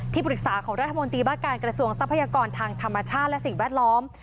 ปรึกษาของรัฐมนตรีว่าการกระทรวงทรัพยากรทางธรรมชาติและสิ่งแวดล้อม